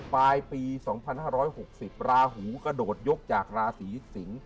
ปลายปี๒๕๖๐ราหูกระโดดยกจากราศีสิงศ์